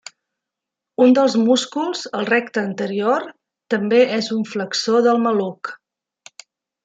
Un dels músculs, el recte anterior, també és un flexor del maluc.